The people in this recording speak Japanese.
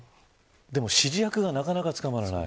でも指示役がなかなか捕まらない。